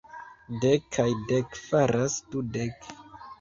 Dek kaj dek faras dudek.